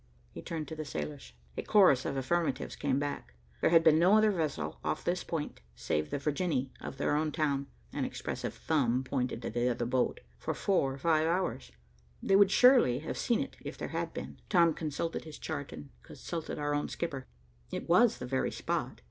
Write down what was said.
he turned to the sailors. A chorus of affirmatives came back. There had been no other vessel off this point save the Virginie of their own town, (an expressive thumb pointed to the other boat,) for four, five hours. They would surely have seen it if there had been. Tom consulted his chart and consulted our own skipper. It was the very spot.